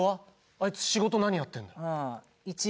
あいつ仕事何やってんだよ？